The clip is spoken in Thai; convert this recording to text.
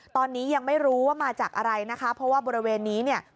ตอนนี้ยังไม่รู้ว่ามาจากอะไรนะคะเพราะว่าบริเวณนี้เนี่ย